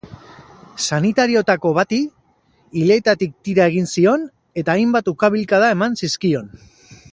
Sanitarioetako bati ileetatik tira egin zion eta hainbat ukabilkada eman zizkion.